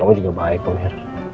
oma juga baik pak mir